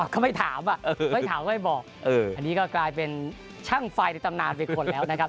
เขาไม่ถามอ่ะไม่ถามก็ไม่บอกอันนี้ก็กลายเป็นช่างไฟในตำนานไปก่อนแล้วนะครับ